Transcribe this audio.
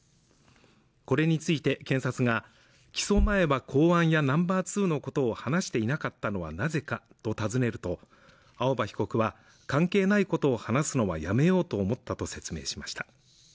これについて検察が起訴前は公安やナンバーツーのことを話していなかったのはなぜかと尋ねると青葉被告は関係ないことを話すのはやめようと思ったと説明しました